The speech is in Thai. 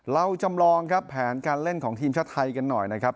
เราจำลองครับแผนการเล่นของทีมชาติไทยกันหน่อยนะครับ